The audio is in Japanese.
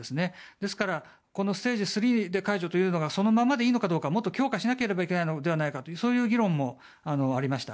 ですからステージ３で解除というのがそのままでいいのかどうか強化しなければならないのではないかそういう議論もありました。